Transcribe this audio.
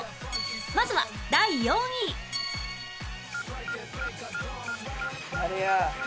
まずは第４位誰や？